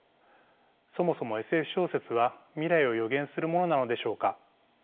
そもそもＳＦ小説は未来を予言するものなのでしょうか？